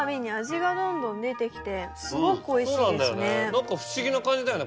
何か不思議な感じだよね。